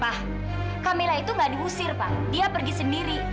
pak camilla itu nggak diusir pak dia pergi sendiri